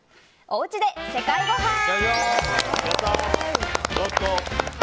おうちで世界ごはん。